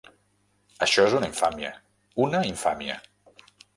Això és una infàmia, una infàmia!